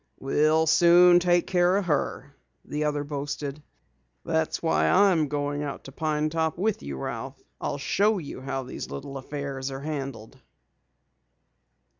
"We'll soon take care of her," the other boasted. "That's why I'm going out to Pine Top with you, Ralph. I'll show you how these little affairs are handled."